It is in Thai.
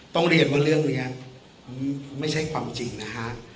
ต้องเรียนว่าเรื่องนี้ไม่ใช่ความจริงนะฮะ